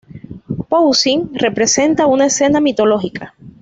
Poussin representa una escena mitológica.